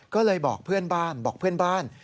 ก็เลยบอกเพื่อนบ้านบอกเพื่อนบ้าน